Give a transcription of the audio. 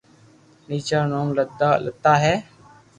تيجا رو نوم لتا ھي